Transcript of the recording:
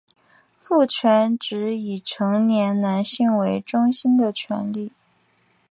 父权指以成年男性为中心的权力。